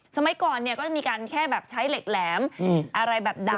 สมัยก่อนก็มีกันแค่แบบใช้เหล็กแหลมอะไรแบบดาม